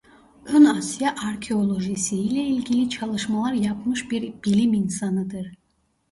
Ön Asya Arkeolojisi ile ilgili çalışmalar yapmış bir bilim insanıdır.